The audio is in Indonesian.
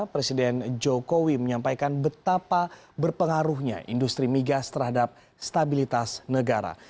presiden jokowi menyampaikan betapa berpengaruhnya industri migas terhadap stabilitas negara